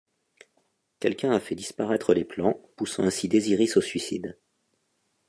Quelqu'un a fait disparaître les plans, poussant ainsi Désiris au suicide.